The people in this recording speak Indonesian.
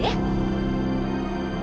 sat ya jalan